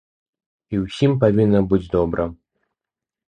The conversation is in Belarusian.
І ўсім павінна быць добра.